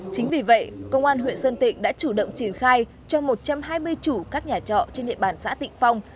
chính vì vậy công an huyện sơn tịnh đã chủ động triển khai cho một trăm hai mươi chủ các nhà trọ trên địa bàn xã tịnh phong